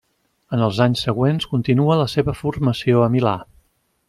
En els anys següents continua la seva formació a Milà.